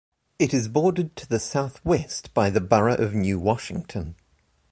It is bordered to the southwest by the borough of New Washington.